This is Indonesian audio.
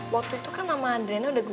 waktu itu kan mama andrena udah gugup